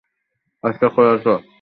কাজটা করো তো।